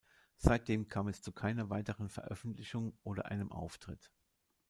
Seitdem kam es zu keiner weiteren Veröffentlichung oder einem Auftritt.